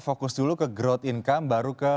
fokus dulu ke growth income baru ke